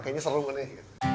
kayaknya seru nih